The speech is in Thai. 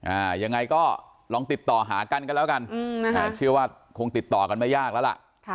อ่ายังไงก็ลองติดต่อหากันกันแล้วกันอืมนะฮะเชื่อว่าคงติดต่อกันไม่ยากแล้วล่ะค่ะ